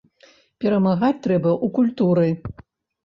Перамагаць трэба ў культуры.